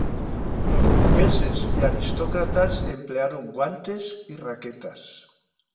Los burgueses y aristócratas emplearon guantes y raquetas.